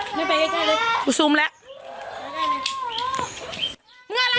มันเอาไปมันก็ให้มึงกินมันจะอะไรกับมันนักหนาล่ะมันก็หาเงินของมันอยู่